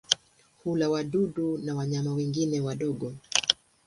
Hula wadudu na wanyama wengine wadogo.